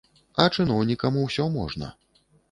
А чыноўнікам усё можна.